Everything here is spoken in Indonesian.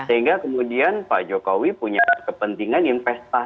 sehingga kemudian pak jokowi punya kepentingan investasi